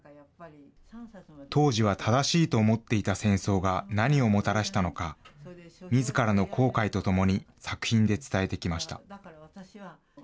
当時は正しいと思っていた戦争が何をもたらしたのか、みずからの後悔とともに、作品で伝えてきました。